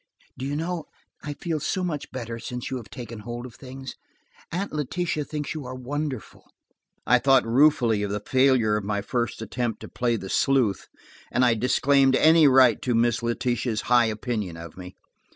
"Do you know, I feel so much better since you have taken hold of things. Aunt Letitia thinks you are wonderful." I thought ruefully of the failure of my first attempt to play the sleuth, and I disclaimed any right to Miss Letitia's high opinion of me.